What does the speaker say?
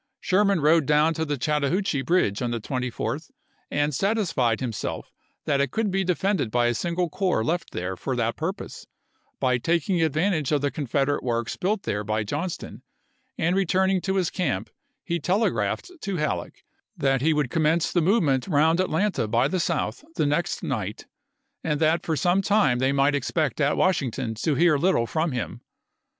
Sherman rode down to the Chattahoochee bridge on the 24th, and satisfied himself that it could be defended by a single corps left there for that purpose, by taking advantage of the Confed erate works built there by Johnston ; and return ing to his camp he telegraphed to Halleck that he would commence the movement round Atlanta by the south the next night, and that for some time they might expect at Washington to hear little "SS" from him.